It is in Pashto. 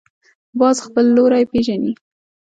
باز خپل لوری پېژني